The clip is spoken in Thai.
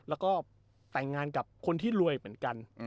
แล้วก็แต่งงานกับคนที่รวยเหมือนกัน